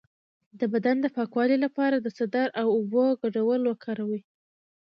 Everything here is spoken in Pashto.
د بدن د پاکوالي لپاره د سدر او اوبو ګډول وکاروئ